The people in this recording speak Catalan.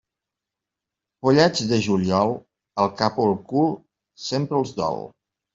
Pollets de juliol, el cap o el cul sempre els dol.